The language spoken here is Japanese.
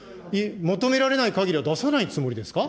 求められないかぎりは出さないつもりですか。